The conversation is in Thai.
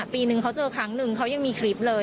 ปีนึงเขาเจอครั้งหนึ่งเขายังมีคลิปเลย